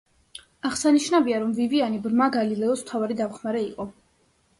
აღსანიშნავია, რომ ვივიანი ბრმა გალილეოს მთავარი დამხმარე იყო.